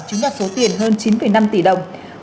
chiếm đặt số tiền hơn chín năm tỷ đồng